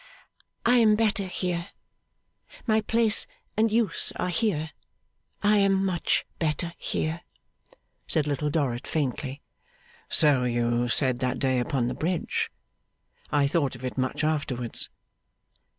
'I am better here. My place and use are here. I am much better here,' said Little Dorrit, faintly. 'So you said that day upon the bridge. I thought of it much afterwards.